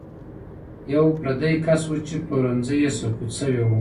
یو پردی کس و چې پلورنځی یې سقوط شوی و.